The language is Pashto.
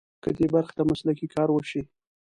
که دې برخې ته مسلکي کار وشي.